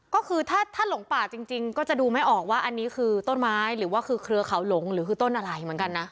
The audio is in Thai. ก็คือถ้าหลงป่าจริงก็จะดูไม่ออกว่าอันนี้คือต้นไม้หรือว่าคือเครือเขาหลงหรือคือต้นอะไรเหมือนกันนะ